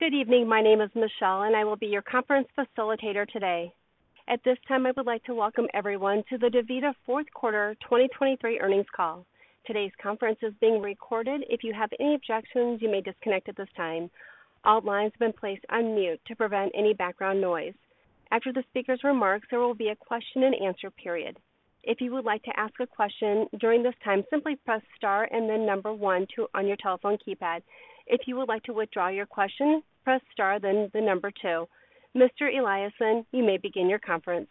Good evening. My name is Michelle, and I will be your conference facilitator today. At this time, I would like to welcome everyone to the DaVita Q4 2023 earnings call. Today's conference is being recorded. If you have any objections, you may disconnect at this time. All lines have been placed on mute to prevent any background noise. After the speaker's remarks, there will be a question-and-answer period. If you would like to ask a question during this time, simply press star and then number one on your telephone keypad. If you would like to withdraw your question, press star, then the number two. Mr. Eliason, you may begin your conference.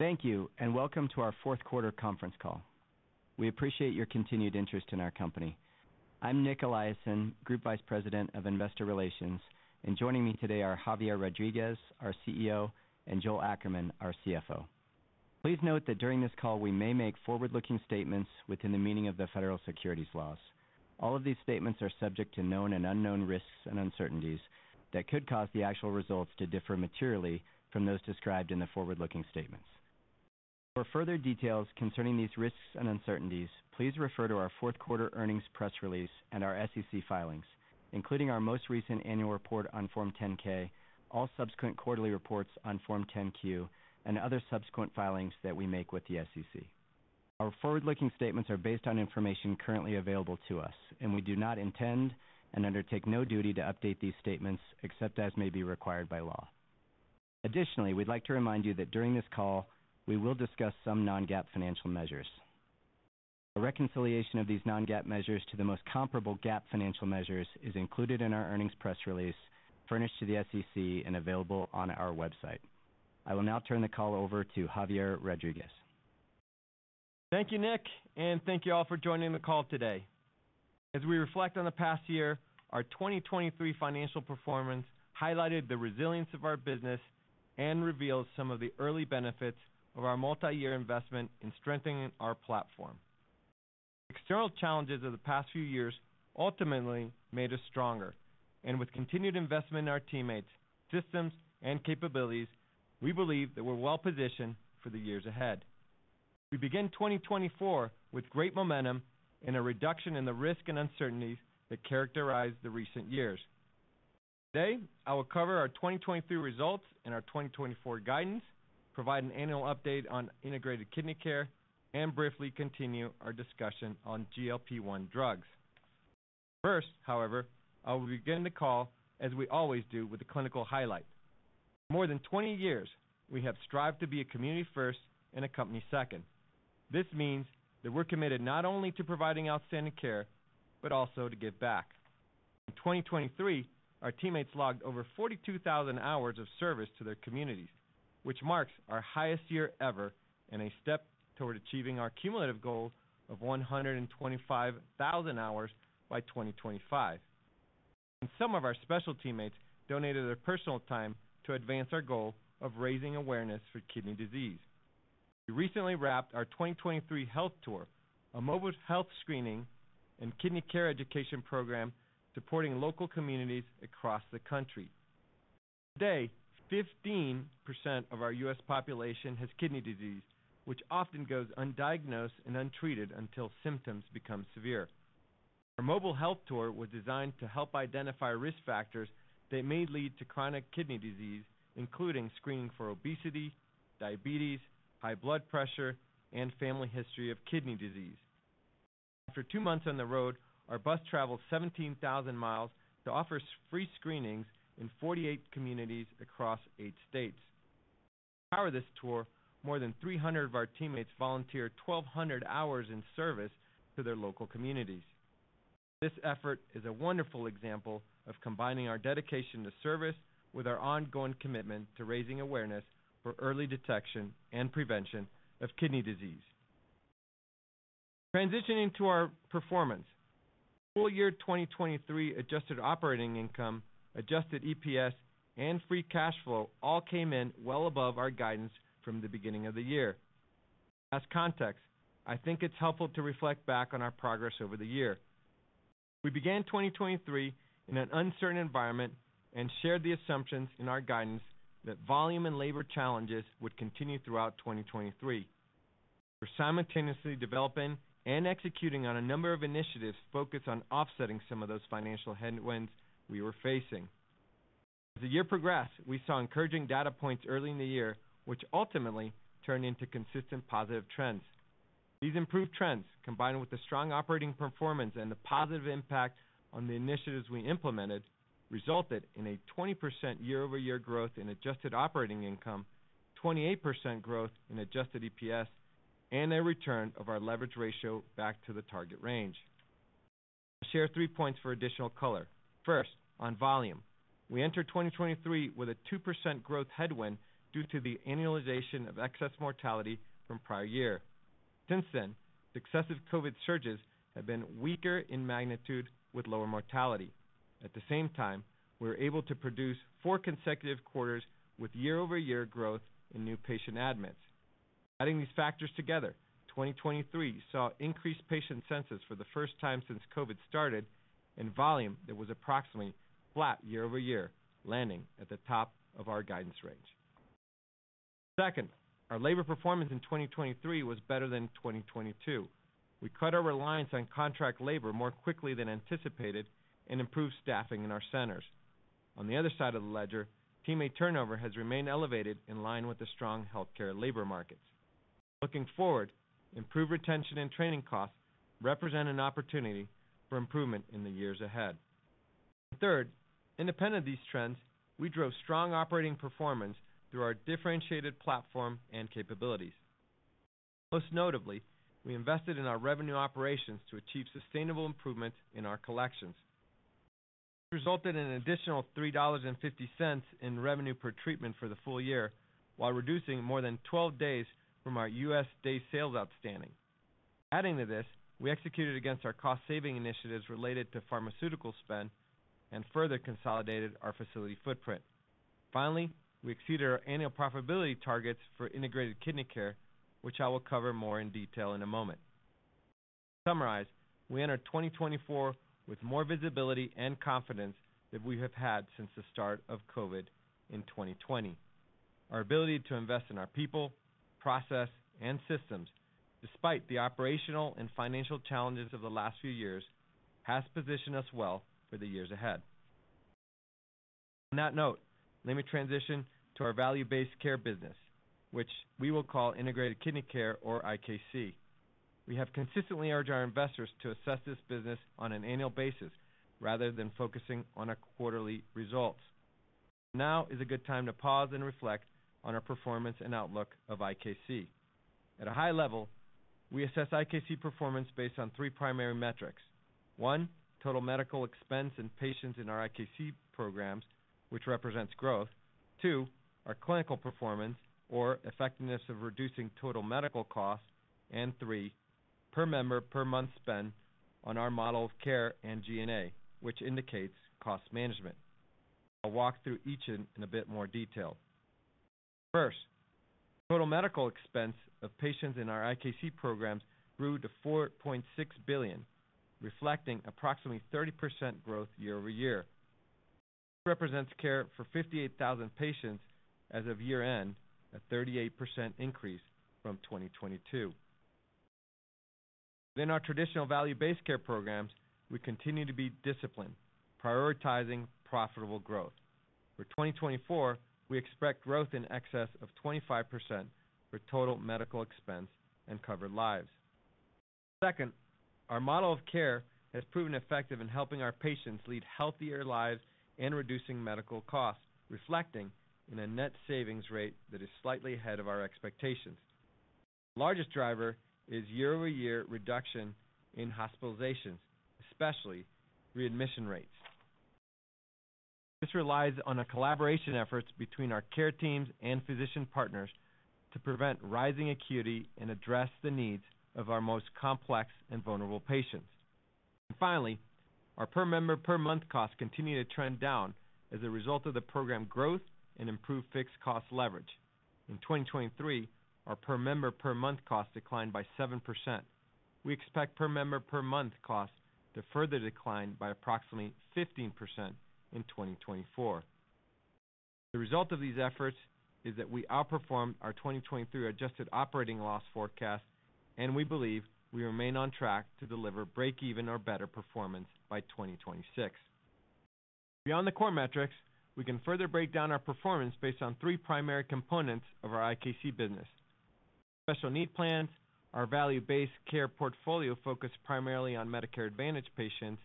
Thank you and welcome to our Q4 conference call. We appreciate your continued interest in our company. I'm Nic Eliason, Group Vice President of Investor Relations, and joining me today are Javier Rodriguez, our CEO, and Joel Ackerman, our CFO. Please note that during this call we may make forward-looking statements within the meaning of the federal securities laws. All of these statements are subject to known and unknown risks and uncertainties that could cause the actual results to differ materially from those described in the forward-looking statements. For further details concerning these risks and uncertainties, please refer to our Q4 earnings press release and our SEC filings, including our most recent annual report on Form 10-K, all subsequent quarterly reports on Form 10-Q, and other subsequent filings that we make with the SEC. Our forward-looking statements are based on information currently available to us, and we do not intend and undertake no duty to update these statements except as may be required by law. Additionally, we'd like to remind you that during this call we will discuss some non-GAAP financial measures. A reconciliation of these non-GAAP measures to the most comparable GAAP financial measures is included in our earnings press release, furnished to the SEC and available on our website. I will now turn the call over to Javier Rodriguez. Thank you, Nic, and thank you all for joining the call today. As we reflect on the past year, our 2023 financial performance highlighted the resilience of our business and revealed some of the early benefits of our multi-year investment in strengthening our platform. External challenges of the past few years ultimately made us stronger, and with continued investment in our teammates, systems, and capabilities, we believe that we're well-positioned for the years ahead. We begin 2024 with great momentum and a reduction in the risk and uncertainties that characterized the recent years. Today, I will cover our 2023 results and our 2024 guidance, provide an annual update on integrated kidney care, and briefly continue our discussion on GLP-1 drugs. First, however, I will begin the call as we always do with a clinical highlight. For more than 20 years, we have strived to be a community first and a company second. This means that we're committed not only to providing outstanding care but also to give back. In 2023, our teammates logged over 42,000 hours of service to their communities, which marks our highest year ever and a step toward achieving our cumulative goal of 125,000 hours by 2025. Some of our special teammates donated their personal time to advance our goal of raising awareness for kidney disease. We recently wrapped our 2023 Health Tour, a mobile health screening and kidney care education program supporting local communities across the country. Today, 15% of our U.S. population has kidney disease, which often goes undiagnosed and untreated until symptoms become severe. Our mobile health tour was designed to help identify risk factors that may lead to chronic kidney disease, including screening for obesity, diabetes, high blood pressure, and family history of kidney disease. After two months on the road, our bus traveled 17,000 miles to offer free screenings in 48 communities across eight states. To power this tour, more than 300 of our teammates volunteered 1,200 hours in service to their local communities. This effort is a wonderful example of combining our dedication to service with our ongoing commitment to raising awareness for early detection and prevention of kidney disease. Transitioning to our performance, full year 2023 adjusted operating income, adjusted EPS, and free cash flow all came in well above our guidance from the beginning of the year. As context, I think it's helpful to reflect back on our progress over the year. We began 2023 in an uncertain environment and shared the assumptions in our guidance that volume and labor challenges would continue throughout 2023. We're simultaneously developing and executing on a number of initiatives focused on offsetting some of those financial headwinds we were facing. As the year progressed, we saw encouraging data points early in the year, which ultimately turned into consistent positive trends. These improved trends, combined with the strong operating performance and the positive impact on the initiatives we implemented, resulted in a 20% year-over-year growth in adjusted operating income, 28% growth in adjusted EPS, and a return of our leverage ratio back to the target range. I'll share three points for additional color. First, on volume. We entered 2023 with a 2% growth headwind due to the annualization of excess mortality from prior year. Since then, successive COVID surges have been weaker in magnitude with lower mortality. At the same time, we were able to produce four consecutive quarters with year-over-year growth in new patient admits. Adding these factors together, 2023 saw increased patient census for the first time since COVID started, and volume that was approximately flat year-over-year, landing at the top of our guidance range. Second, our labor performance in 2023 was better than 2022. We cut our reliance on contract labor more quickly than anticipated and improved staffing in our centers. On the other side of the ledger, teammate turnover has remained elevated in line with the strong healthcare labor markets. Looking forward, improved retention and training costs represent an opportunity for improvement in the years ahead. And third, independent of these trends, we drove strong operating performance through our differentiated platform and capabilities. Most notably, we invested in our revenue operations to achieve sustainable improvement in our collections. This resulted in an additional $3.50 in revenue per treatment for the full year while reducing more than 12 days from our U.S. day sales outstanding. Adding to this, we executed against our cost-saving initiatives related to pharmaceutical spend and further consolidated our facility footprint. Finally, we exceeded our annual profitability targets for Integrated Kidney Care, which I will cover more in detail in a moment. To summarize, we entered 2024 with more visibility and confidence than we have had since the start of COVID in 2020. Our ability to invest in our people, process, and systems, despite the operational and financial challenges of the last few years, has positioned us well for the years ahead. On that note, let me transition to our value-based care business, which we will call Integrated Kidney Care, or IKC. We have consistently urged our investors to assess this business on an annual basis rather than focusing on quarterly results. Now is a good time to pause and reflect on our performance and outlook of IKC. At a high level, we assess IKC performance based on three primary metrics: one) total medical expense and patients in our IKC programs, which represents growth; two) our clinical performance, or effectiveness of reducing total medical costs; and three) per member per month spend on our model of care and G&A, which indicates cost management. I'll walk through each in a bit more detail. First, total medical expense of patients in our IKC programs grew to $4.6 billion, reflecting approximately 30% growth year-over-year. This represents care for 58,000 patients as of year-end, a 38% increase from 2022. Within our traditional value-based care programs, we continue to be disciplined, prioritizing profitable growth. For 2024, we expect growth in excess of 25% for total medical expense and covered lives. Second, our model of care has proven effective in helping our patients lead healthier lives and reducing medical costs, reflecting in a net savings rate that is slightly ahead of our expectations. The largest driver is year-over-year reduction in hospitalizations, especially readmission rates. This relies on collaboration efforts between our care teams and physician partners to prevent rising acuity and address the needs of our most complex and vulnerable patients. Finally, our per member per month costs continue to trend down as a result of the program growth and improved fixed cost leverage. In 2023, our per member per month costs declined by 7%. We expect per member per month costs to further decline by approximately 15% in 2024. The result of these efforts is that we outperformed our 2023 adjusted operating loss forecast, and we believe we remain on track to deliver break-even or better performance by 2026. Beyond the core metrics, we can further break down our performance based on three primary components of our IKC business: Special Needs Plans, our value-based care portfolio focused primarily on Medicare Advantage patients,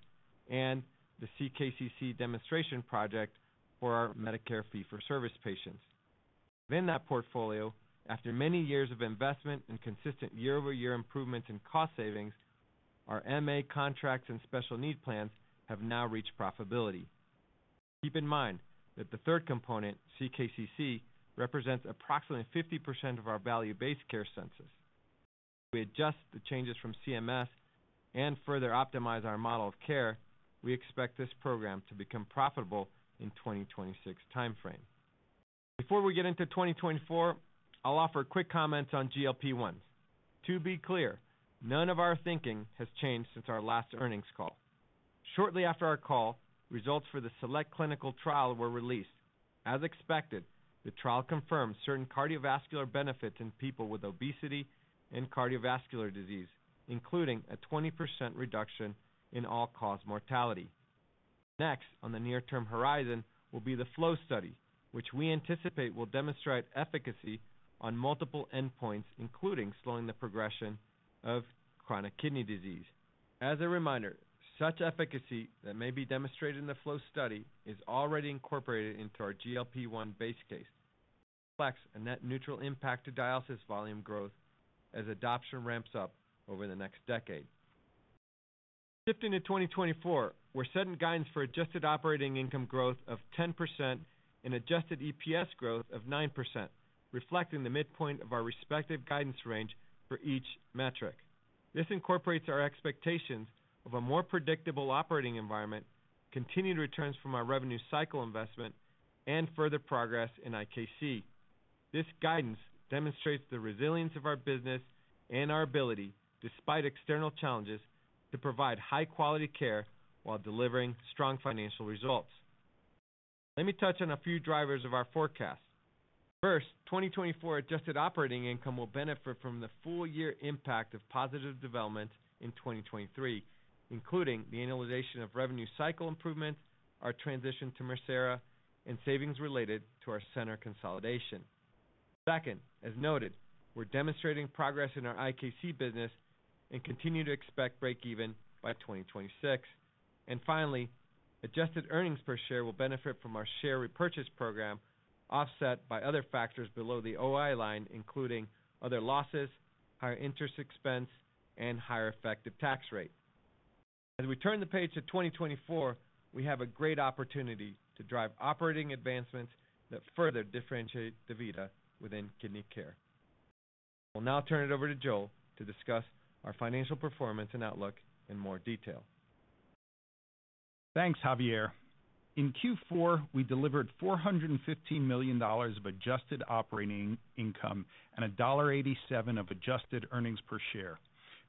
and the CKCC demonstration project for our Medicare Fee-for-Service patients. Within that portfolio, after many years of investment and consistent year-over-year improvements in cost savings, our MA contracts and Special Needs Plans have now reached profitability. Keep in mind that the third component, CKCC, represents approximately 50% of our value-based care census. If we adjust the changes from CMS and further optimize our model of care, we expect this program to become profitable in the 2026 timeframe. Before we get into 2024, I'll offer quick comments on GLP-1s. To be clear, none of our thinking has changed since our last earnings call. Shortly after our call, results for the SELECT clinical trial were released. As expected, the trial confirmed certain cardiovascular benefits in people with obesity and cardiovascular disease, including a 20% reduction in all-cause mortality. Next, on the near-term horizon, will be the FLOW Study, which we anticipate will demonstrate efficacy on multiple endpoints, including slowing the progression of chronic kidney disease. As a reminder, such efficacy that may be demonstrated in the FLOW Study is already incorporated into our GLP-1 base case. This reflects a net neutral impact to dialysis volume growth as adoption ramps up over the next decade. Shifting to 2024, we're set in guidance for adjusted operating income growth of 10% and adjusted EPS growth of 9%, reflecting the midpoint of our respective guidance range for each metric. This incorporates our expectations of a more predictable operating environment, continued returns from our revenue cycle investment, and further progress in IKC. This guidance demonstrates the resilience of our business and our ability, despite external challenges, to provide high-quality care while delivering strong financial results. Let me touch on a few drivers of our forecast. First, 2024 adjusted operating income will benefit from the full year impact of positive development in 2023, including the annualization of revenue cycle improvement, our transition to Mircera, and savings related to our center consolidation. Second, as noted, we're demonstrating progress in our IKC business and continue to expect break-even by 2026. And finally, adjusted earnings per share will benefit from our share repurchase program offset by other factors below the OI line, including other losses, higher interest expense, and higher effective tax rate. As we turn the page to 2024, we have a great opportunity to drive operating advancements that further differentiate DaVita within kidney care. I will now turn it over to Joel to discuss our financial performance and outlook in more detail. Thanks, Javier. In Q4, we delivered $415 million of adjusted operating income and $1.87 of adjusted earnings per share.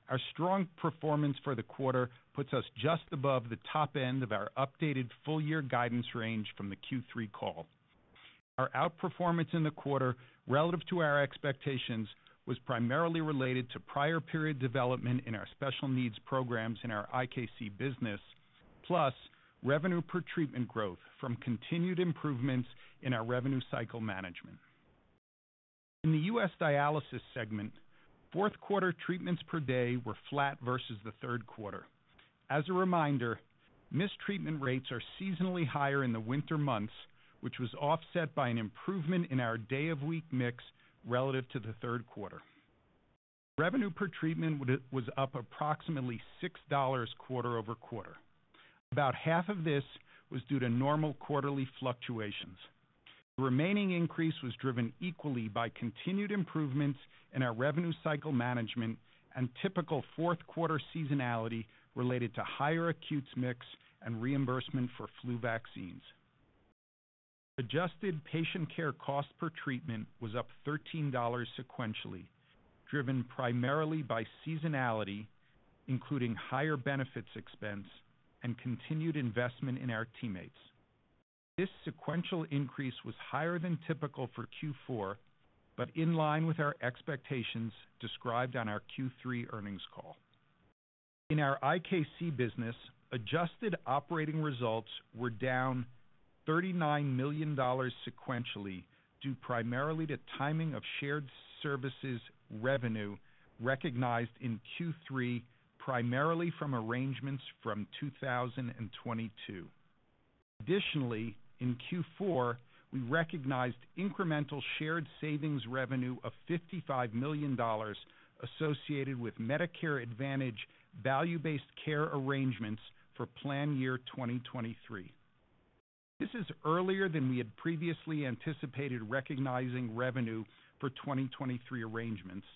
Our strong performance for the quarter puts us just above the top end of our updated full year guidance range from the Q3 call. Our outperformance in the quarter, relative to our expectations, was primarily related to prior-period development in our special needs programs in our IKC business, plus revenue per treatment growth from continued improvements in our revenue cycle management. In the U.S. dialysis segment, Q4 treatments per day were flat versus the Q3. As a reminder, missed treatment rates are seasonally higher in the winter months, which was offset by an improvement in our day-of-week mix relative to the Q3. Revenue per treatment was up approximately $6 quarter-over-quarter. About half of this was due to normal quarterly fluctuations. The remaining increase was driven equally by continued improvements in our revenue cycle management and typical Q4 seasonality related to higher acutes mix and reimbursement for flu vaccines. Adjusted patient care cost per treatment was up $13 sequentially, driven primarily by seasonality, including higher benefits expense and continued investment in our teammates. This sequential increase was higher than typical for Q4, but in line with our expectations described on our Q3 earnings call. In our IKC business, adjusted operating results were down $39 million sequentially due primarily to timing of shared services revenue recognized in Q3 primarily from arrangements from 2022. Additionally, in Q4, we recognized incremental shared savings revenue of $55 million associated with Medicare Advantage value-based care arrangements for plan year 2023. This is earlier than we had previously anticipated recognizing revenue for 2023 arrangements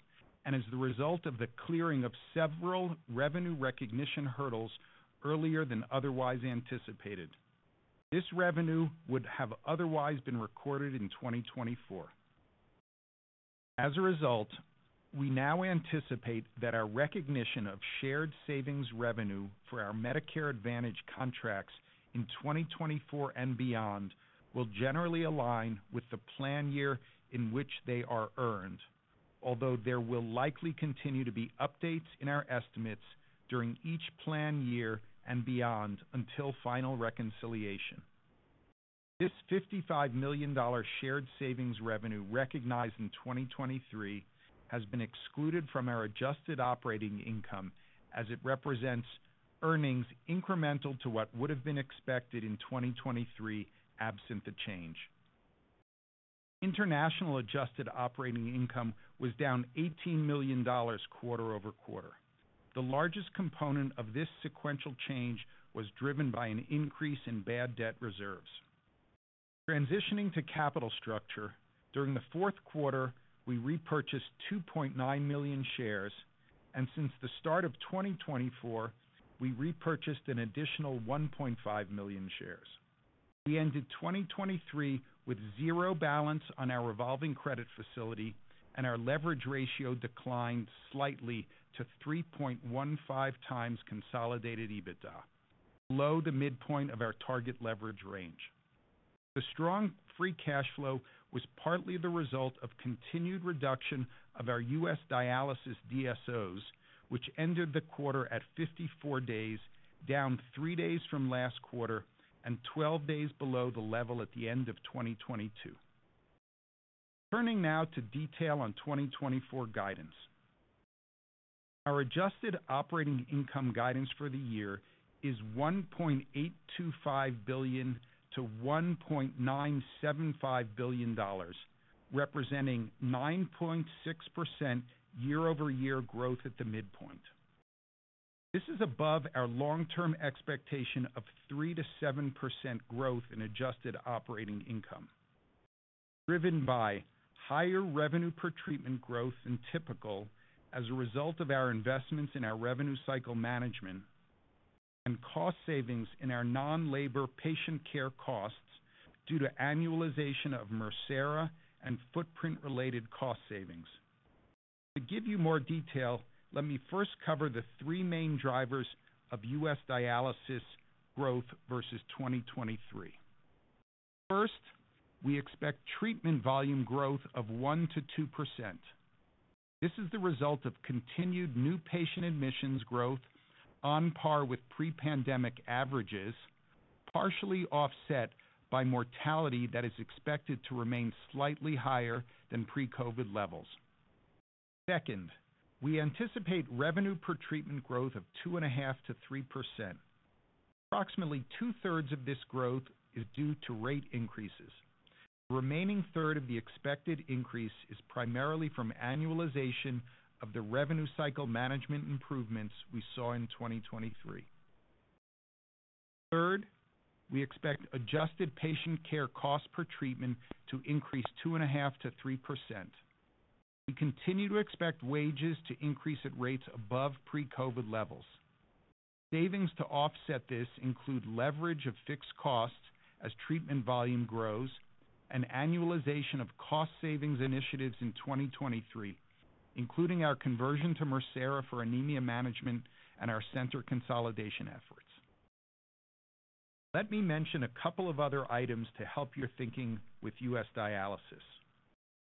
and as the result of the clearing of several revenue recognition hurdles earlier than otherwise anticipated. This revenue would have otherwise been recorded in 2024. As a result, we now anticipate that our recognition of shared savings revenue for our Medicare Advantage contracts in 2024 and beyond will generally align with the plan year in which they are earned, although there will likely continue to be updates in our estimates during each plan year and beyond until final reconciliation. This $55 million shared savings revenue recognized in 2023 has been excluded from our adjusted operating income as it represents earnings incremental to what would have been expected in 2023 absent the change. International adjusted operating income was down $18 million quarter-over-quarter. The largest component of this sequential change was driven by an increase in bad debt reserves. Transitioning to capital structure, during the Q4, we repurchased 2.9 million shares, and since the start of 2024, we repurchased an additional 1.5 million shares. We ended 2023 with zero balance on our revolving credit facility, and our leverage ratio declined slightly to 3.15x consolidated EBITDA, below the midpoint of our target leverage range. The strong free cash flow was partly the result of continued reduction of our U.S. dialysis DSOs, which ended the quarter at 54 days, down three days from last quarter and 12 days below the level at the end of 2022. Turning now to detail on 2024 guidance. Our adjusted operating income guidance for the year is $1.825 billion-$1.975 billion, representing 9.6% year-over-year growth at the midpoint. This is above our long-term expectation of 3%-7% growth in adjusted operating income, driven by higher revenue per treatment growth than typical as a result of our investments in our revenue cycle management and cost savings in our non-labor patient care costs due to annualization of Mircera and footprint-related cost savings. To give you more detail, let me first cover the three main drivers of U.S. dialysis growth versus 2023. First, we expect treatment volume growth of 1%-2%. This is the result of continued new patient admissions growth on par with pre-pandemic averages, partially offset by mortality that is expected to remain slightly higher than pre-COVID levels. Second, we anticipate revenue per treatment growth of 2.5%-3%. Approximately two-thirds of this growth is due to rate increases. The remaining third of the expected increase is primarily from annualization of the revenue cycle management improvements we saw in 2023. Third, we expect adjusted patient care cost per treatment to increase 2.5%-3%. We continue to expect wages to increase at rates above pre-COVID levels. Savings to offset this include leverage of fixed costs as treatment volume grows and annualization of cost savings initiatives in 2023, including our conversion to Mircera for anemia management and our center consolidation efforts. Let me mention a couple of other items to help your thinking with U.S. dialysis.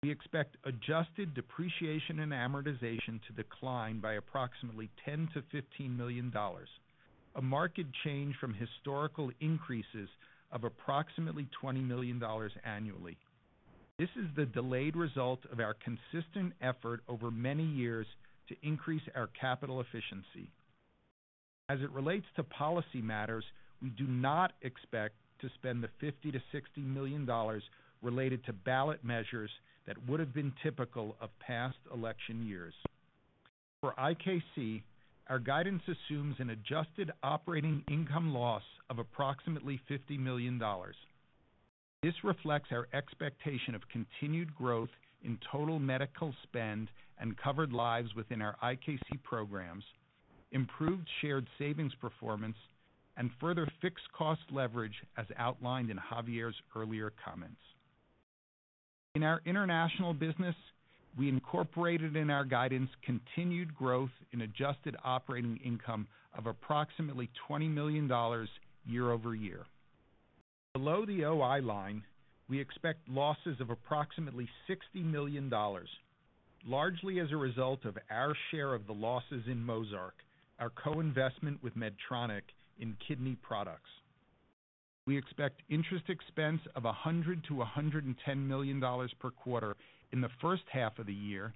We expect adjusted depreciation and amortization to decline by approximately $10-$15 million, a marked change from historical increases of approximately $20 million annually. This is the delayed result of our consistent effort over many years to increase our capital efficiency. As it relates to policy matters, we do not expect to spend the $50-$60 million related to ballot measures that would have been typical of past election years. For IKC, our guidance assumes an adjusted operating income loss of approximately $50 million. This reflects our expectation of continued growth in total medical spend and covered lives within our IKC programs, improved shared savings performance, and further fixed cost leverage as outlined in Javier's earlier comments. In our international business, we incorporated in our guidance continued growth in adjusted operating income of approximately $20 million year-over-year. Below the OI line, we expect losses of approximately $60 million, largely as a result of our share of the losses in Mozarc, our co-investment with Medtronic in kidney products. We expect interest expense of $100million-$110 million per quarter in the first half of the year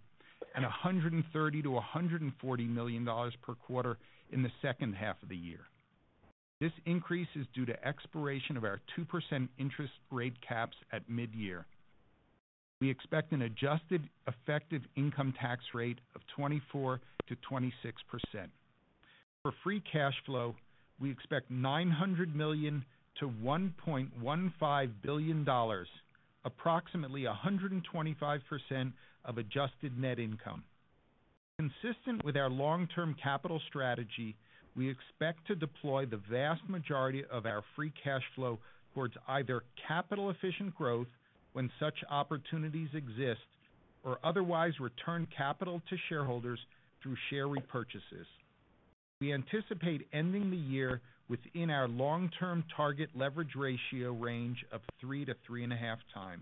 and $130-$140 million per quarter in the second half of the year. This increase is due to expiration of our 2% interest rate caps at mid-year. We expect an adjusted effective income tax rate of 24%-26%. For free cash flow, we expect $900 million to $1.15 billion, approximately 125% of adjusted net income. Consistent with our long-term capital strategy, we expect to deploy the vast majority of our free cash flow towards either capital-efficient growth when such opportunities exist or otherwise return capital to shareholders through share repurchases. We anticipate ending the year within our long-term target leverage ratio range of three to 3.5x.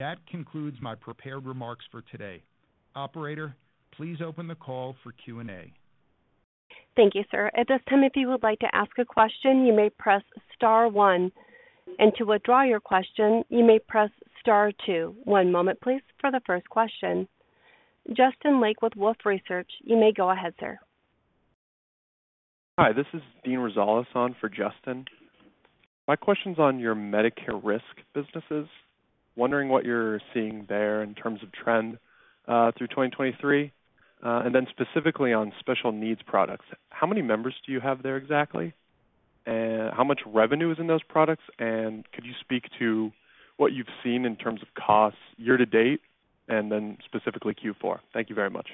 That concludes my prepared remarks for today. Operator, please open the call for Q&A. Thank you, sir. At this time, if you would like to ask a question, you may press star one. To withdraw your question, you may press star two. One moment, please, for the first question. Justin Lake with Wolfe Research. You may go ahead, sir. Hi, this is Dean Rosaleson for Justin. My question's on your Medicare risk businesses, wondering what you're seeing there in terms of trend through 2023, and then specifically on special needs products. How many members do you have there exactly? How much revenue is in those products? And could you speak to what you've seen in terms of costs year to date and then specifically Q4? Thank you very much.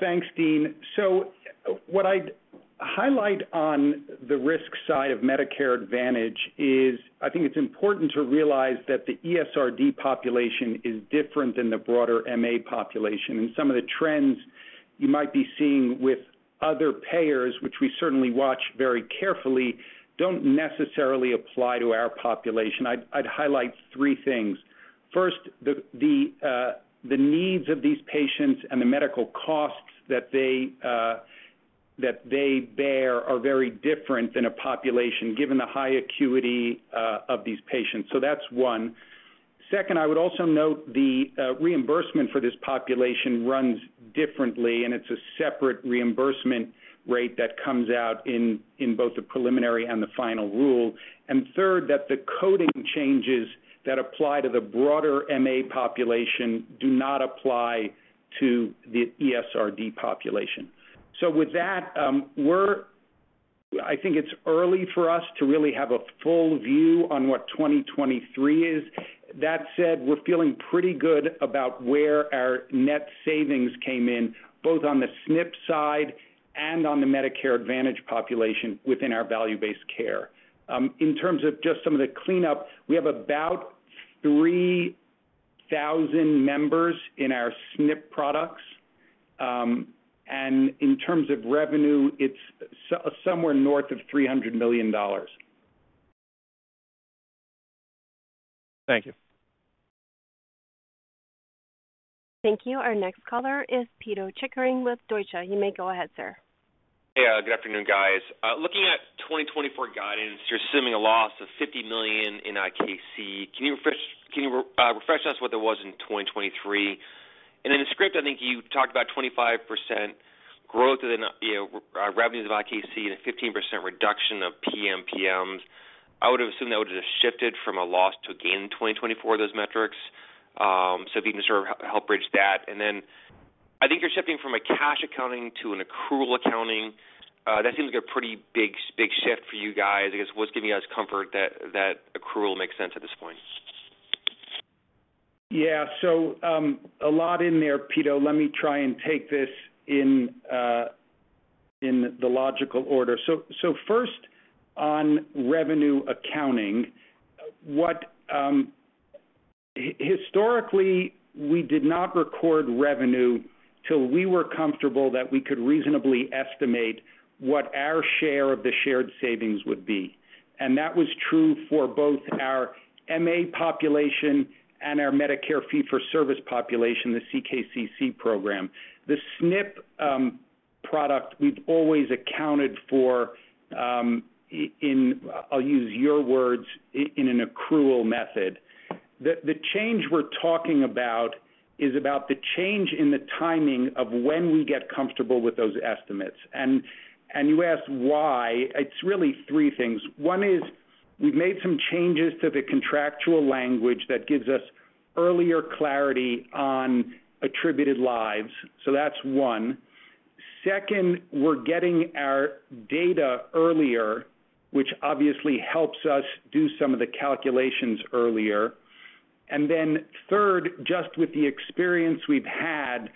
Thanks, Dean. So what I'd highlight on the risk side of Medicare Advantage is I think it's important to realize that the ESRD population is different than the broader MA population. And some of the trends you might be seeing with other payers, which we certainly watch very carefully, don't necessarily apply to our population. I'd highlight three things. First, the needs of these patients and the medical costs that they bear are very different than a population given the high acuity of these patients. So that's one. Second, I would also note the reimbursement for this population runs differently, and it's a separate reimbursement rate that comes out in both the preliminary and the final rule. And third, that the coding changes that apply to the broader MA population do not apply to the ESRD population. With that, I think it's early for us to really have a full view on what 2023 is. That said, we're feeling pretty good about where our net savings came in, both on the SNP side and on the Medicare Advantage population within our value-based care. In terms of just some of the cleanup, we have about 3,000 members in our SNP products. In terms of revenue, it's somewhere north of $300 million. Thank you. Thank you. Our next caller is Pito Chickering with Deutsche. You may go ahead, sir. Hey, good afternoon, guys. Looking at 2024 guidance, you're assuming a loss of $50 million in IKC. Can you refresh us what there was in 2023? In the script, I think you talked about 25% growth within revenues of IKC and a 15% reduction of PMPMs. I would have assumed that would have shifted from a loss to a gain in 2024, those metrics, so if you can sort of help bridge that. Then I think you're shifting from a cash accounting to an accrual accounting. That seems like a pretty big shift for you guys. I guess what's giving you guys comfort that accrual makes sense at this point? Yeah. So a lot in there, Pito. Let me try and take this in the logical order. So first, on revenue accounting, historically, we did not record revenue till we were comfortable that we could reasonably estimate what our share of the shared savings would be. And that was true for both our MA population and our Medicare Fee-for-Service population, the CKCC program. The SNP product, we've always accounted for in, I'll use your words, in an accrual method. The change we're talking about is about the change in the timing of when we get comfortable with those estimates. And you asked why. It's really three things. One is we've made some changes to the contractual language that gives us earlier clarity on attributed lives. So that's one. Second, we're getting our data earlier, which obviously helps us do some of the calculations earlier. And then third, just with the experience we've had,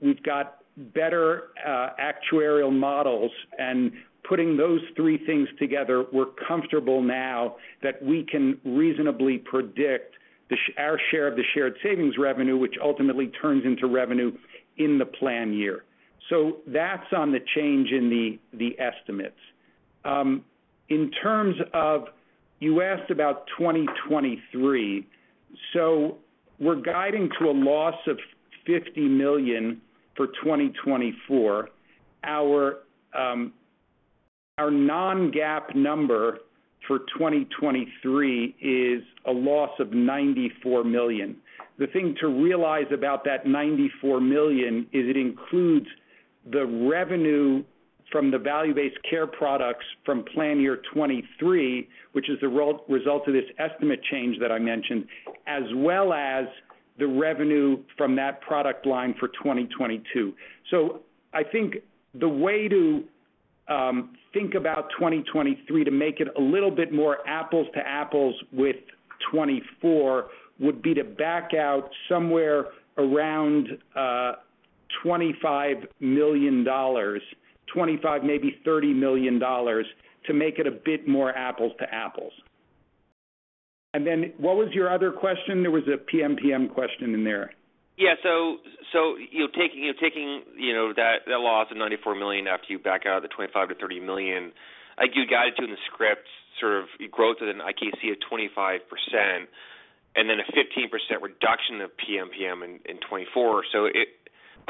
we've got better actuarial models. And putting those three things together, we're comfortable now that we can reasonably predict our share of the shared savings revenue, which ultimately turns into revenue in the plan year. So that's on the change in the estimates. In terms of you asked about 2023. So we're guiding to a loss of $50 million for 2024. Our non-GAAP number for 2023 is a loss of $94 million. The thing to realize about that $94 million is it includes the revenue from the value-based care products from plan year 2023, which is the result of this estimate change that I mentioned, as well as the revenue from that product line for 2022. So I think the way to think about 2023 to make it a little bit more apples to apples with 2024 would be to back out somewhere around $25 million, $25, maybe $30 million, to make it a bit more apples to apples. And then what was your other question? There was a PMPM question in there. Yeah. So taking that loss of $94 million after you back out the $25 million-$30 million, you guided to in the script sort of growth within IKC of 25% and then a 15% reduction of PMPM in 2024. So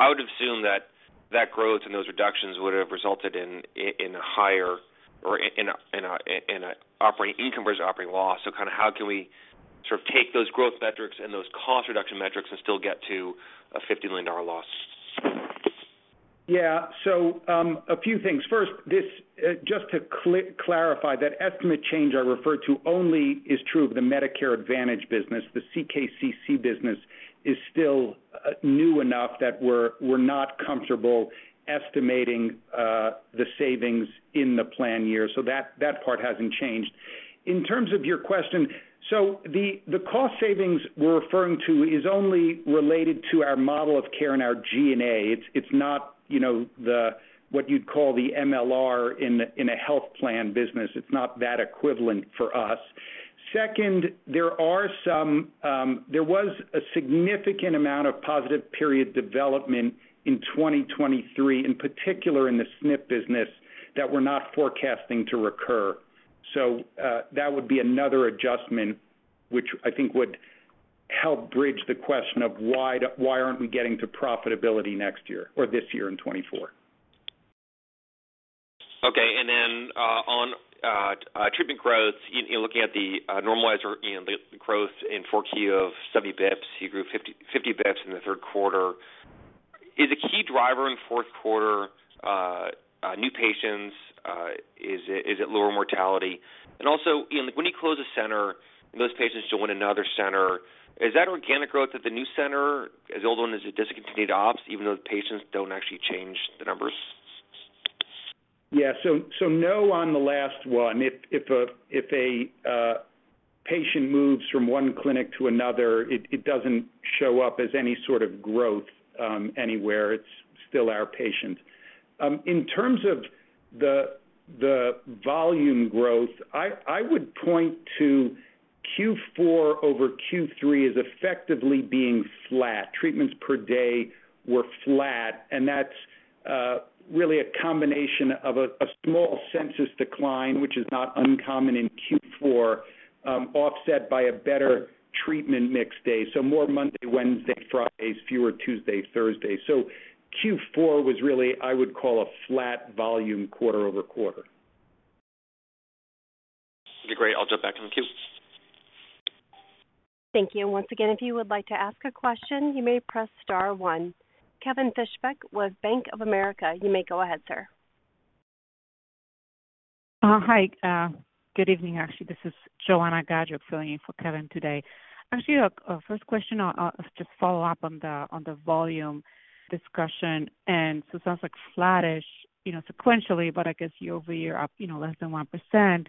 I would have assumed that that growth and those reductions would have resulted in a higher or in an operating income versus operating loss. So kind of how can we sort of take those growth metrics and those cost reduction metrics and still get to a $50 million loss? Yeah. So a few things. First, just to clarify, that estimate change I referred to only is true of the Medicare Advantage business. The CKCC business is still new enough that we're not comfortable estimating the savings in the plan year. So that part hasn't changed. In terms of your question, so the cost savings we're referring to is only related to our model of care and our G&A. It's not what you'd call the MLR in a health plan business. It's not that equivalent for us. Second, there was a significant amount of positive period development in 2023, in particular in the SNP business, that we're not forecasting to recur. So that would be another adjustment, which I think would help bridge the question of why aren't we getting to profitability next year or this year in 2024? Okay. And then on treatment growth, looking at the normalizer growth in 4Q of 70 bps, you grew 50 bps in the Q3. Is a key driver in Q4 new patients? Is it lower mortality? And also, when you close a center and those patients join another center, is that organic growth at the new center as old as it is to discontinue the ops even though the patients don't actually change the numbers? Yeah. So no on the last one. If a patient moves from one clinic to another, it doesn't show up as any sort of growth anywhere. It's still our patients. In terms of the volume growth, I would point to Q4 over Q3 as effectively being flat. Treatments per day were flat. And that's really a combination of a small census decline, which is not uncommon in Q4, offset by a better treatment mix day, so more Monday, Wednesday, Fridays, fewer Tuesdays, Thursdays. So Q4 was really, I would call, a flat volume quarter-over-quarter. Okay. Great. I'll jump back in the queue. Thank you. Once again, if you would like to ask a question, you may press star 1. Kevin Fishbeck, with Bank of America. You may go ahead, sir. Hi. Good evening, actually. This is Joanna Gajuk filling in for Kevin today. Actually, first question, I'll just follow up on the volume discussion. And so it sounds like flattish sequentially, but I guess year-over-year, up less than 1%.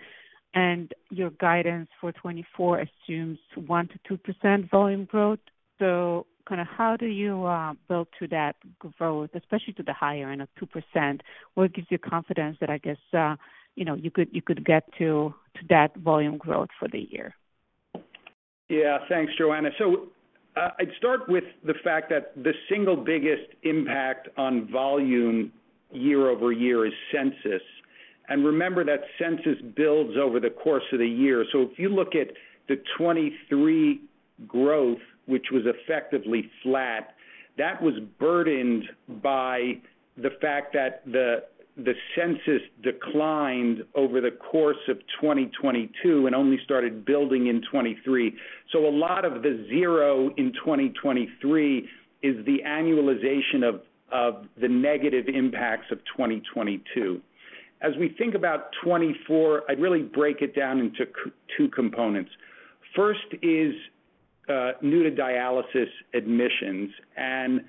And your guidance for 2024 assumes 1%-2% volume growth. So kind of how do you build to that growth, especially to the higher end of 2%? What gives you confidence that, I guess, you could get to that volume growth for the year? Yeah. Thanks, Joanna. So I'd start with the fact that the single biggest impact on volume year-over-year is census. And remember that census builds over the course of the year. So if you look at the 2023 growth, which was effectively flat, that was burdened by the fact that the census declined over the course of 2022 and only started building in 2023. So a lot of the 0 in 2023 is the annualization of the negative impacts of 2022. As we think about 2024, I'd really break it down into two components. First is neutral dialysis admissions. And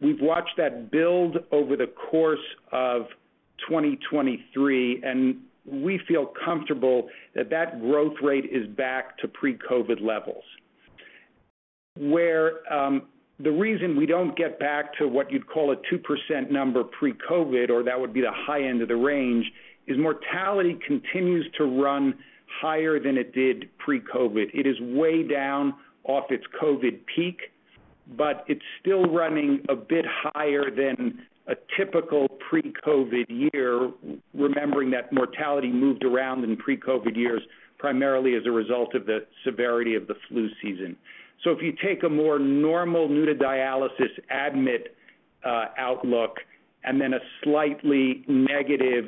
we've watched that build over the course of 2023. And we feel comfortable that that growth rate is back to pre-COVID levels. The reason we don't get back to what you'd call a 2% number pre-COVID, or that would be the high end of the range, is mortality continues to run higher than it did pre-COVID. It is way down off its COVID peak, but it's still running a bit higher than a typical pre-COVID year, remembering that mortality moved around in pre-COVID years primarily as a result of the severity of the flu season. So if you take a more normal neutral dialysis admit outlook and then a slightly negative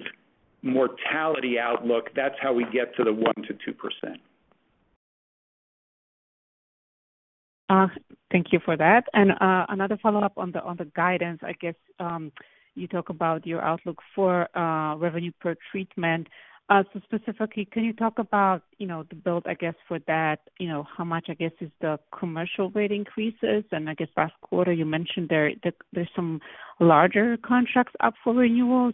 mortality outlook, that's how we get to the 1%-2%. Thank you for that. Another follow-up on the guidance, I guess you talk about your outlook for revenue per treatment. Specifically, can you talk about the build, I guess, for that? How much, I guess, is the commercial rate increases? I guess last quarter, you mentioned there's some larger contracts up for renewal.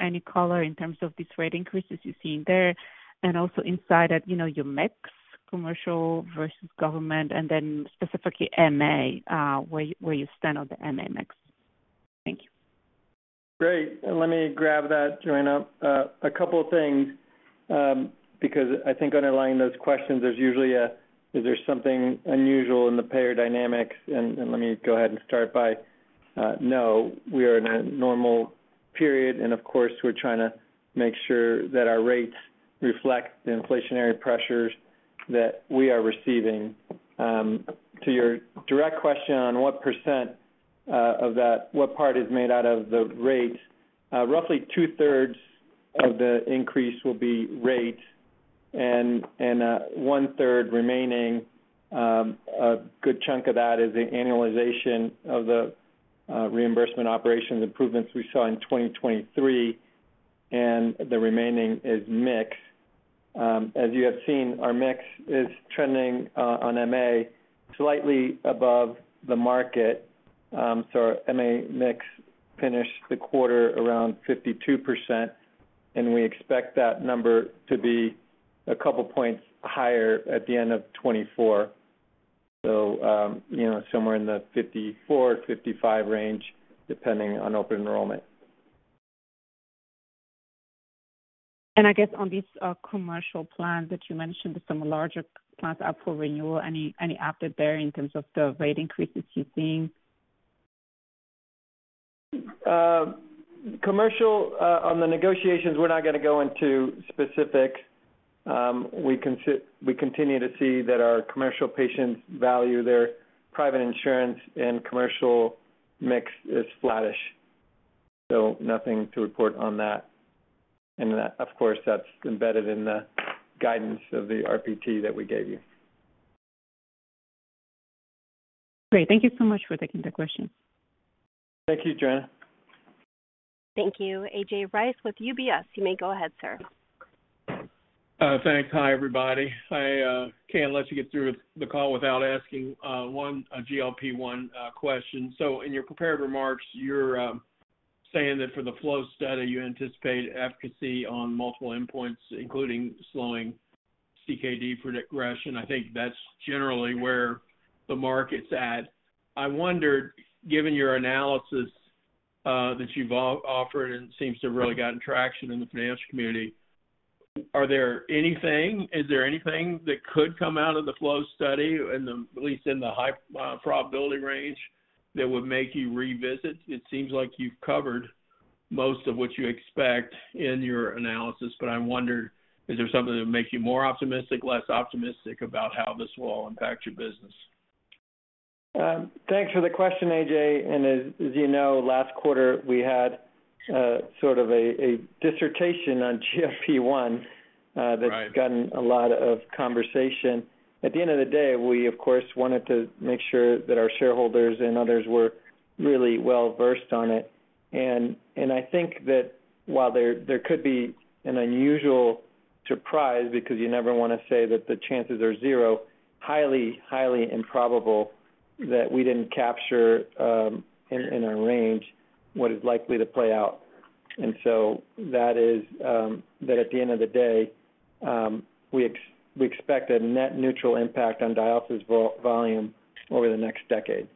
Any color in terms of these rate increases you're seeing there? Also inside at your mix, commercial versus government, and then specifically MA, where you stand on the MA mix. Thank you. Great. Let me grab that, Joanna. A couple of things because I think underlying those questions, there's usually a, "Is there something unusual in the payer dynamics?" Let me go ahead and start by no, we are in a normal period. And of course, we're trying to make sure that our rates reflect the inflationary pressures that we are receiving. To your direct question on what percent of that, what part is made out of the rate, roughly two-thirds of the increase will be rates. And one-third remaining, a good chunk of that is the annualization of the reimbursement operations improvements we saw in 2023. And the remaining is mix. As you have seen, our mix is trending on MA slightly above the market. So our MA mix finished the quarter around 52%. We expect that number to be a couple of points higher at the end of 2024, so somewhere in the 54-55 range, depending on open enrollment. I guess on these commercial plans that you mentioned, some larger plans up for renewal, any update there in terms of the rate increases you're seeing? Commercial, on the negotiations, we're not going to go into specifics. We continue to see that our commercial patients value their private insurance and commercial mix is flattish. So nothing to report on that. And of course, that's embedded in the guidance of the RPT that we gave you. Great. Thank you so much for taking the question. Thank you, Joanna. Thank you. A.J. Rice with UBS. You may go ahead, sir. Thanks. Hi, everybody. I can't let you get through the call without asking one GLP-1 question. So in your prepared remarks, you're saying that for the FLOW Study, you anticipate efficacy on multiple endpoints, including slowing CKD progression. I think that's generally where the market's at. I wondered, given your analysis that you've offered and seems to have really gotten traction in the financial community, is there anything that could come out of the FLOW Study, at least in the high probability range, that would make you revisit? It seems like you've covered most of what you expect in your analysis. But I wondered, is there something that would make you more optimistic, less optimistic about how this will all impact your business? Thanks for the question, AJ. As you know, last quarter, we had sort of a dissertation on GLP-1 that's gotten a lot of conversation. At the end of the day, we, of course, wanted to make sure that our shareholders and others were really well-versed on it. I think that while there could be an unusual surprise because you never want to say that the chances are zero, highly, highly improbable that we didn't capture in our range what is likely to play out. So that is that at the end of the day, we expect a net neutral impact on dialysis volume over the next decade.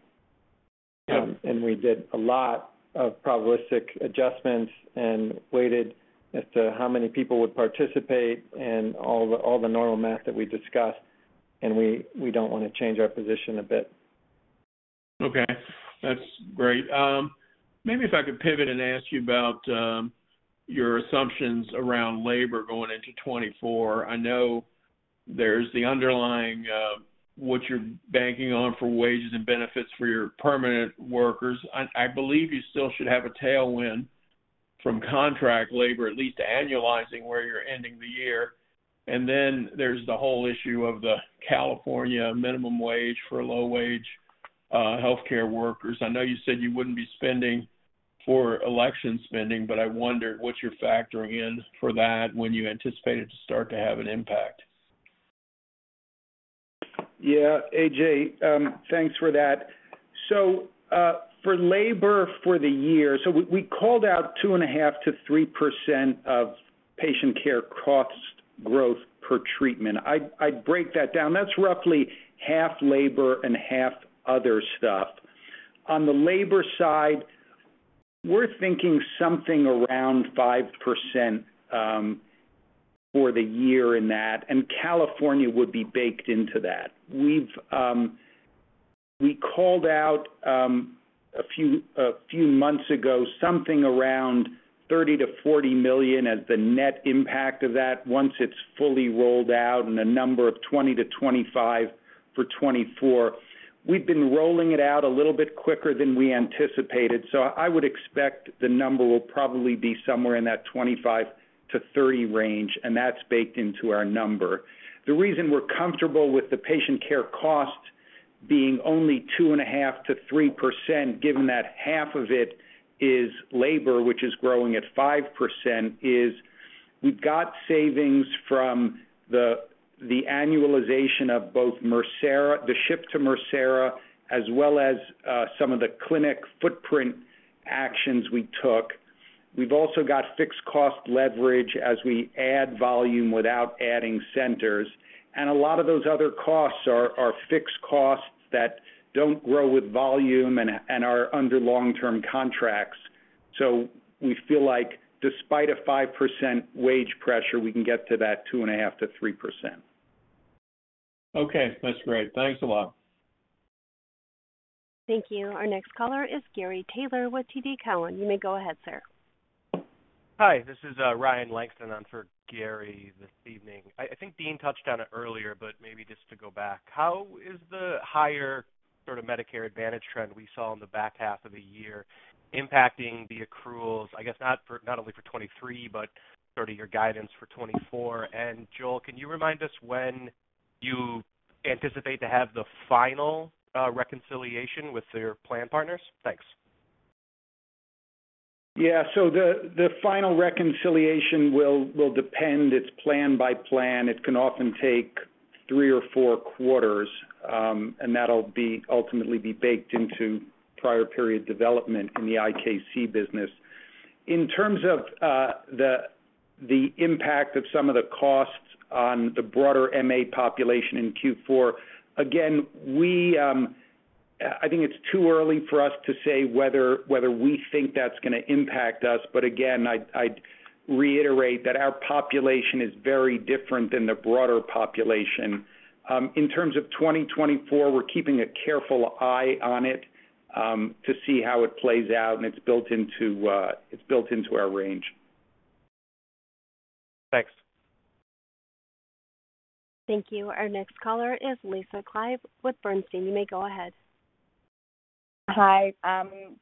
We did a lot of probabilistic adjustments and weighted as to how many people would participate and all the normal math that we discussed. We don't want to change our position a bit. Okay. That's great. Maybe if I could pivot and ask you about your assumptions around labor going into 2024. I know there's the underlying what you're banking on for wages and benefits for your permanent workers. I believe you still should have a tailwind from contract labor, at least annualizing where you're ending the year. And then there's the whole issue of the California minimum wage for low-wage healthcare workers. I know you said you wouldn't be spending for election spending, but I wondered, what's your factoring in for that when you anticipate it to start to have an impact? Yeah. AJ, thanks for that. So for labor for the year, so we called out 2.5%-3% of patient care cost growth per treatment. I'd break that down. That's roughly half labor and half other stuff. On the labor side, we're thinking something around 5% for the year in that. And California would be baked into that. We called out a few months ago something around $30 million-$40 million as the net impact of that once it's fully rolled out and a number of $20-$25 million for 2024. We've been rolling it out a little bit quicker than we anticipated. So I would expect the number will probably be somewhere in that $25 million-$30 million range. And that's baked into our number. The reason we're comfortable with the patient care costs being only 2.5%-3%, given that half of it is labor, which is growing at 5%, is we've got savings from the annualization of both the shift to Mircera, as well as some of the clinic footprint actions we took. We've also got fixed cost leverage as we add volume without adding centers. A lot of those other costs are fixed costs that don't grow with volume and are under long-term contracts. We feel like, despite a 5% wage pressure, we can get to that 2.5%-3%. Okay. That's great. Thanks a lot. Thank you. Our next caller is Gary Taylor with TD Cowen. You may go ahead, sir. Hi. This is Ryan Langston for Gary this evening. I think Dean touched on it earlier, but maybe just to go back, how is the higher sort of Medicare Advantage trend we saw in the back half of the year impacting the accruals, I guess, not only for 2023 but sort of your guidance for 2024? And Joel, can you remind us when you anticipate to have the final reconciliation with your plan partners? Thanks. Yeah. So the final reconciliation will depend. It's plan by plan. It can often take thrree or four quarters. And that'll ultimately be baked into prior period development in the IKC business. In terms of the impact of some of the costs on the broader MA population in Q4, again, I think it's too early for us to say whether we think that's going to impact us. But again, I'd reiterate that our population is very different than the broader population. In terms of 2024, we're keeping a careful eye on it to see how it plays out. And it's built into our range. Thanks. Thank you. Our next caller is Lisa Clive with Bernstein. You may go ahead. Hi.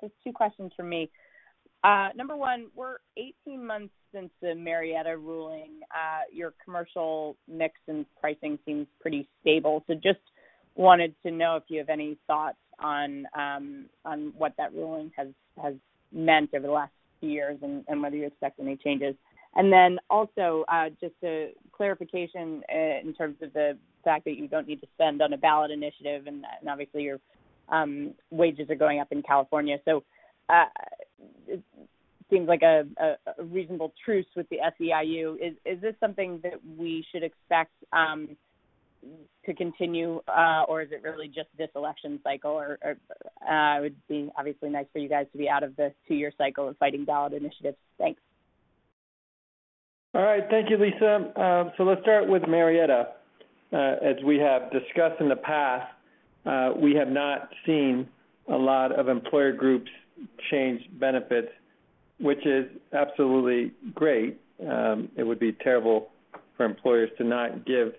Just two questions from me. Number one, we're 18 months since the Marietta ruling. Your commercial mix and pricing seems pretty stable. So just wanted to know if you have any thoughts on what that ruling has meant over the last few years and whether you expect any changes. And then also, just a clarification in terms of the fact that you don't need to spend on a ballot initiative. And obviously, your wages are going up in California. So it seems like a reasonable truce with the SEIU. Is this something that we should expect to continue, or is it really just this election cycle? It would be obviously nice for you guys to be out of the two-year cycle of fighting ballot initiatives. Thanks. All right. Thank you, Lisa. So let's start with Marietta. As we have discussed in the past, we have not seen a lot of employer groups change benefits, which is absolutely great. It would be terrible for employers to not give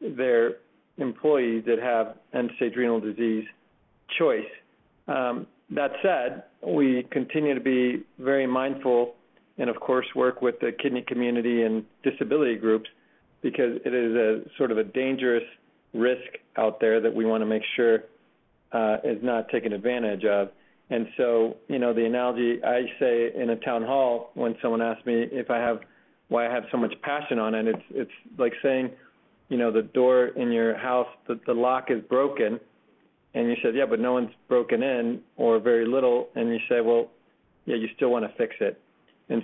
their employees that have end-stage renal disease choice. That said, we continue to be very mindful and, of course, work with the kidney community and disability groups because it is sort of a dangerous risk out there that we want to make sure is not taken advantage of. And so the analogy, I say in a town hall when someone asks me why I have so much passion on it, it's like saying the door in your house, the lock is broken. You said, "Yeah, but no one's broken in or very little." And you say, "Well, yeah, you still want to fix it."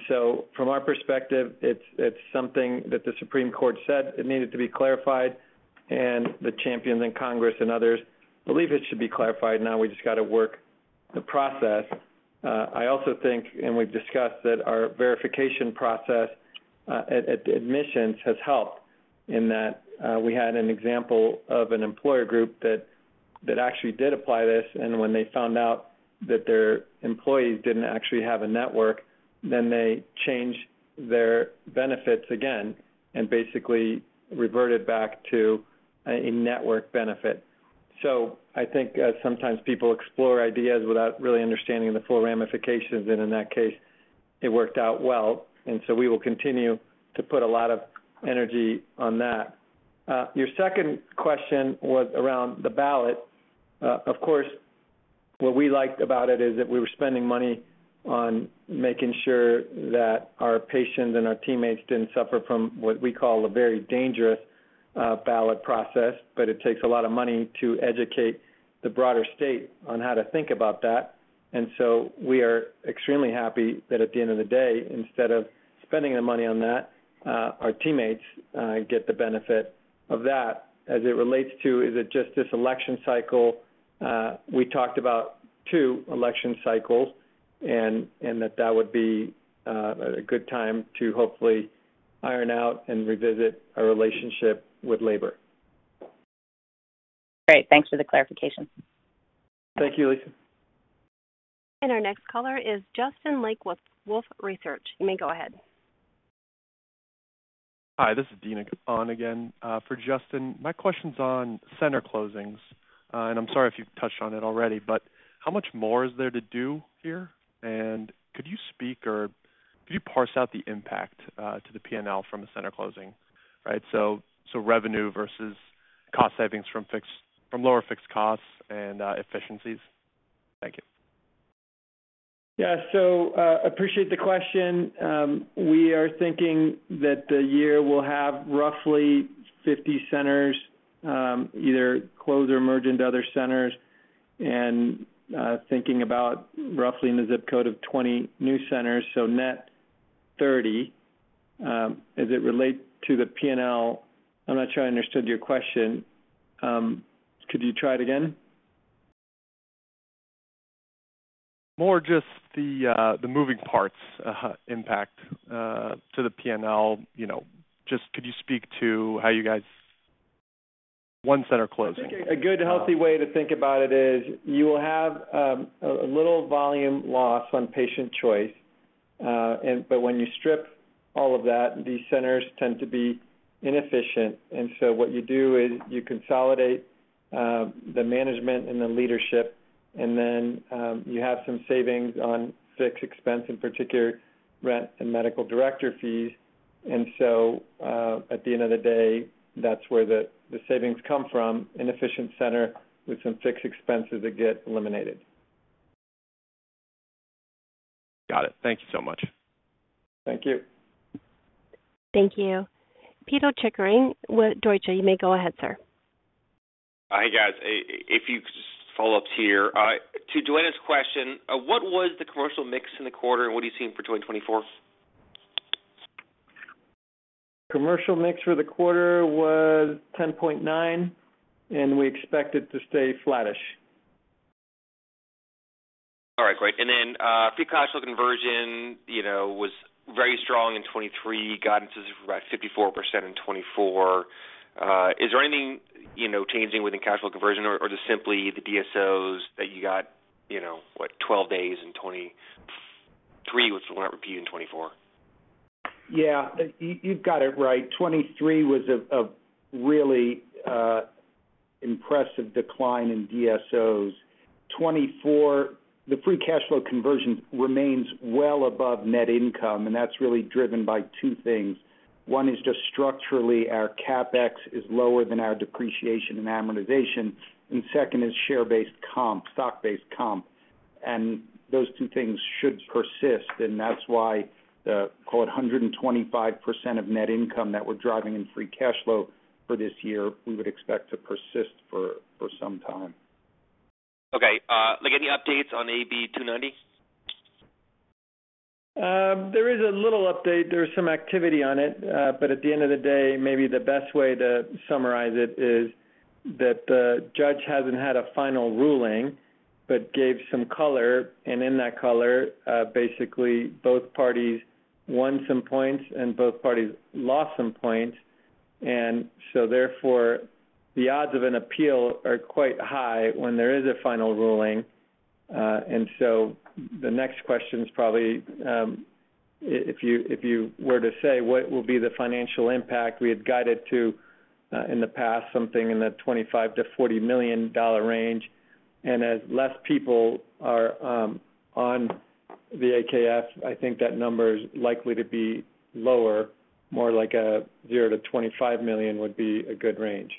So from our perspective, it's something that the Supreme Court said it needed to be clarified. And the champions in Congress and others believe it should be clarified now. We just got to work the process. I also think, and we've discussed, that our verification process at admissions has helped in that we had an example of an employer group that actually did apply this. And when they found out that their employees didn't actually have a network, then they changed their benefits again and basically reverted back to a network benefit. So I think sometimes people explore ideas without really understanding the full ramifications. And in that case, it worked out well. So we will continue to put a lot of energy on that. Your second question was around the ballot. Of course, what we liked about it is that we were spending money on making sure that our patients and our teammates didn't suffer from what we call a very dangerous ballot process. But it takes a lot of money to educate the broader state on how to think about that. And so we are extremely happy that at the end of the day, instead of spending the money on that, our teammates get the benefit of that. As it relates to, is it just this election cycle? We talked about two election cycles and that that would be a good time to hopefully iron out and revisit our relationship with labor. Great. Thanks for the clarification. Thank you, Lisa. Our next caller is Justin Lake with Wolfe Research. You may go ahead. Hi. This is Dean Rosaleson again for Justin. My question's on center closings. And I'm sorry if you've touched on it already, but how much more is there to do here? And could you speak or could you parse out the impact to the P&L from a center closing? Right? So revenue versus cost savings from lower fixed costs and efficiencies. Thank you. Yeah. So appreciate the question. We are thinking that the year will have roughly 50 centers, either closed or merged into other centers, and thinking about roughly in the zip code of 20 new centers, so net 30. As it relates to the P&L, I'm not sure I understood your question. Could you try it again? More just the moving parts impact to the P&L. Just, could you speak to how you guys' one center closing? I think a good, healthy way to think about it is you will have a little volume loss on patient choice. But when you strip all of that, these centers tend to be inefficient. And so what you do is you consolidate the management and the leadership. And then you have some savings on fixed expense, in particular, rent and medical director fees. And so at the end of the day, that's where the savings come from: inefficient center with some fixed expenses that get eliminated. Got it. Thank you so much. Thank you. Thank you. Pito Chickering with Deutsche, you may go ahead, sir. Hey, guys. If you could just follow up here. To Joanna's question, what was the commercial mix in the quarter, and what do you see for 2024? Commercial mix for the quarter was 10.9. We expect it to stay flattish. All right. Great. And then free cash flow conversion was very strong in 2023, guidances of about 54% in 2024. Is there anything changing within cash flow conversion, or is it simply the DSOs that you got, what, 12 days in 2023, which will not repeat in 2024? Yeah. You've got it right. 2023 was a really impressive decline in DSOs. The free cash flow conversion remains well above net income. And that's really driven by two things. One is just structurally, our CapEx is lower than our depreciation and amortization. And second is share-based comp, stock-based comp. And those two things should persist. And that's why the, call it, 125% of net income that we're driving in free cash flow for this year, we would expect to persist for some time. Okay. Any updates on AB 290? There is a little update. There's some activity on it. But at the end of the day, maybe the best way to summarize it is that the judge hasn't had a final ruling but gave some color. And in that color, basically, both parties won some points and both parties lost some points. And so therefore, the odds of an appeal are quite high when there is a final ruling. And so the next question's probably, if you were to say, what will be the financial impact? We had guided to, in the past, something in the $25 million-$40 million range. And as less people are on the AKF, I think that number is likely to be lower. More like a $0-$25 million would be a good range.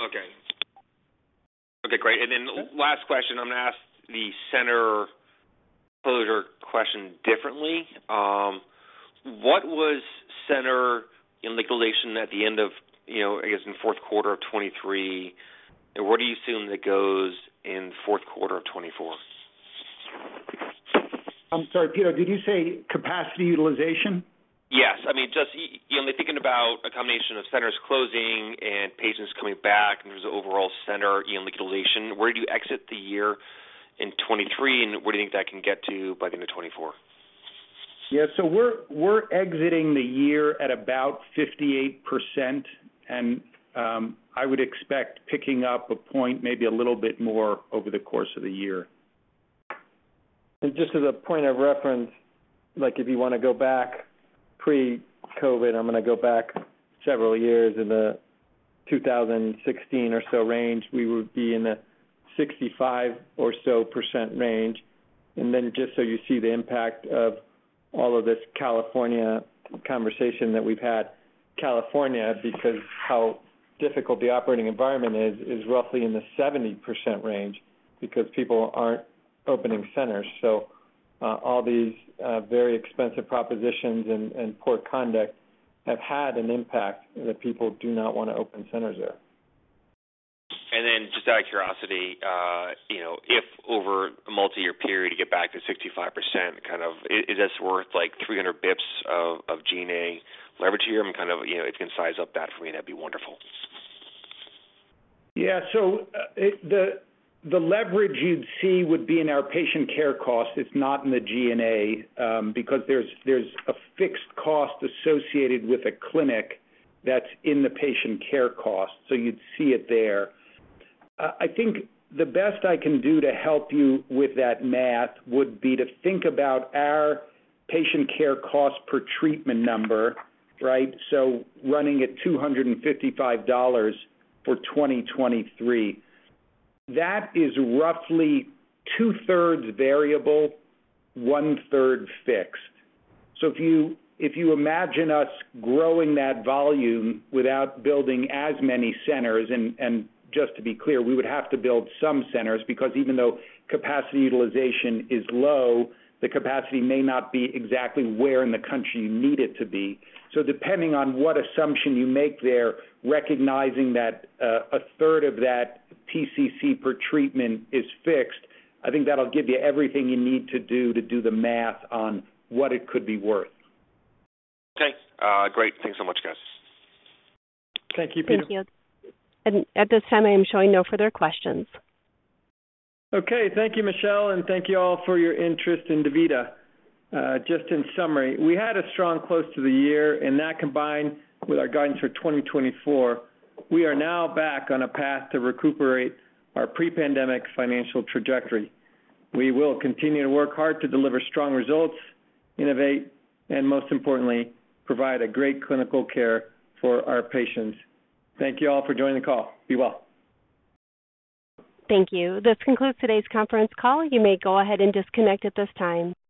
Okay. Okay. Great. And then last question, I'm going to ask the center closure question differently. What was center utilization at the end of, I guess, in Q4 of 2023? And where do you assume that goes in Q4 of 2024? I'm sorry, Pito. Did you say capacity utilization? Yes. I mean, just thinking about a combination of centers closing and patients coming back in terms of overall center utilization, where do you exit the year in 2023, and where do you think that can get to by the end of 2024? Yeah. We're exiting the year at about 58%. I would expect picking up a point maybe a little bit more over the course of the year. Just as a point of reference, if you want to go back pre-COVID, I'm going to go back several years. In the 2016 or so range, we would be in the 65% or so range. Then just so you see the impact of all of this California conversation that we've had, California because how difficult the operating environment is, is roughly in the 70% range because people aren't opening centers. All these very expensive propositions and poor conduct have had an impact that people do not want to open centers there. And then just out of curiosity, if over a multi-year period you get back to 65%, kind of is this worth 300 bps of G&A leverage here? And kind of if you can size up that for me, that'd be wonderful. Yeah. So the leverage you'd see would be in our patient care costs. It's not in the G&A because there's a fixed cost associated with a clinic that's in the patient care costs. So you'd see it there. I think the best I can do to help you with that math would be to think about our patient care cost per treatment number, right? So running at $255 for 2023. That is roughly two-thirds variable, one-third fixed. So if you imagine us growing that volume without building as many centers and just to be clear, we would have to build some centers because even though capacity utilization is low, the capacity may not be exactly where in the country you need it to be. So depending on what assumption you make there, recognizing that a third of that PCC per treatment is fixed, I think that'll give you everything you need to do to do the math on what it could be worth. Okay. Great. Thanks so much, guys. Thank you, Pito. Thank you. At this time, I am showing no further questions. Okay. Thank you, Michelle. And thank you all for your interest in DaVita. Just in summary, we had a strong close to the year. And that combined with our guidance for 2024, we are now back on a path to recuperate our pre-pandemic financial trajectory. We will continue to work hard to deliver strong results, innovate, and most importantly, provide a great clinical care for our patients. Thank you all for joining the call. Be well. Thank you. This concludes today's conference call. You may go ahead and disconnect at this time.